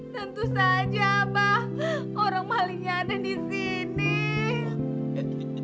tentu saja abah orang malingnya ada di sini